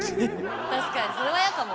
確かにそれは嫌かも。